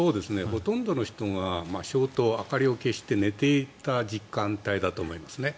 ほとんどの人が消灯、明かりを消して寝ていた時間帯だと思いますね。